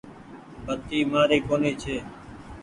بتي مآري ڪونيٚ ڇي۔